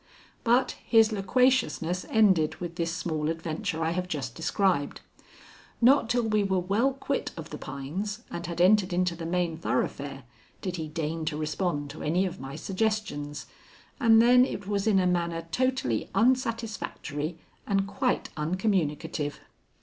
But his loquaciousness ended with this small adventure I have just described. Not till we were well quit of the pines and had entered into the main thoroughfare did he deign to respond to any of my suggestions, and then it was in a manner totally unsatisfactory and quite uncommunicative.